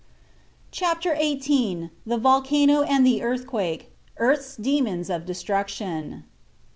CHAPTER XVIII. The Volcano and the Earthquake, Earth's Demons of Destruction.